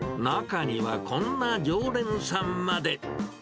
中には、こんな常連さんまで。